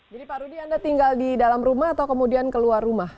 jadi pak rudi anda tinggal di dalam rumah atau kemudian keluar rumah